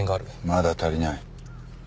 まだ足りない。